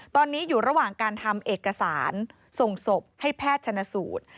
ตอนนี้อยู่ระหว่างการทำเอกสารส่งศพให้แพทย์ชนสูตร